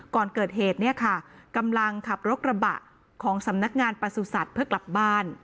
ก่อนเกิดเหตุกำลังขับรกระบะของสำนักงานประสูจจัดเพื่อกลับบ้าน